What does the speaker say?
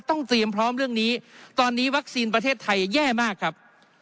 เตรียมพร้อมเรื่องนี้ตอนนี้วัคซีนประเทศไทยแย่มากครับ